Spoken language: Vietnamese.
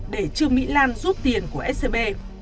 để chư mỹ lan rút tiền của scb